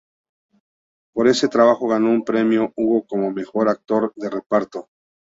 Por este trabajo ganó un Premio Hugo como mejor actor de reparto.